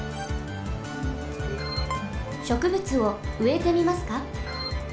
しょくぶつをうえてみますか？